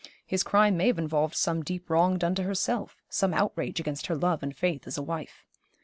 His crime may have involved some deep wrong done to herself, some outrage against her love and faith as a wife.